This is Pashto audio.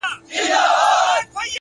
هره هڅه د پرمختګ نښه ده!